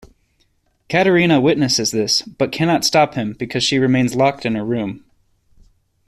Katerina witnesses this but cannot stop him because she remains locked in her room.